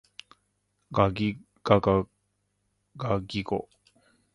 ゴギガガガギゴ